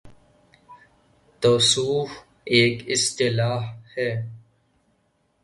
' تصوف‘ ایک اصطلاح ہے۔